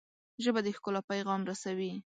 ژبه د ښکلا پیغام رسوي